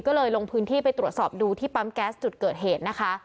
ก็เลยลงพื้นที่ไปตรวจสอบดูที่ปั๊มแก๊สจุดเกิดเหตุนะคะ